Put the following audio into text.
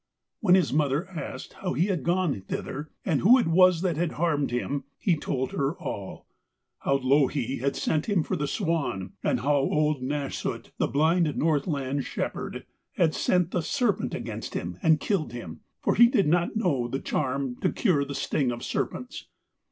When his mother asked how he had gone thither and who it was that had harmed him, he told her all how Louhi had sent him for the swan, and how old Nasshut, the blind Northland shepherd, had sent the serpent against him and killed him, for he did not know the charm to cure the sting of serpents.